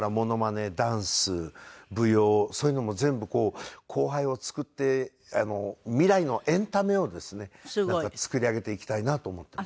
ダンス舞踊そういうのも全部後輩を作って未来のエンタメをですね作り上げていきたいなと思っています。